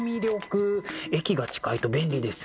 駅が近いと便利ですよね。